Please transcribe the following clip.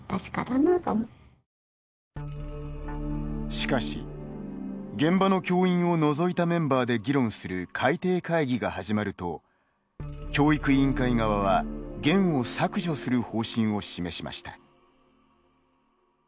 しかし、現場の教員を除いたメンバーで議論する改訂会議が始まると教育委員会側はゲンを削除する方針を示しました。